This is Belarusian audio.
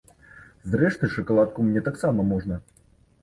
Зрэшты, шакаладку мне таксама можна!